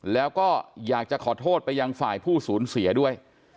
แล้วก็อยากจะขอโทษไปยังฝ่ายผู้สูญเสียด้วย